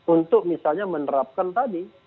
untuk misalnya menerapkan tadi